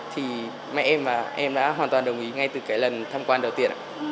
thì mẹ em và em đã hoàn toàn đồng ý ngay từ cái lần thăm quan đầu tiên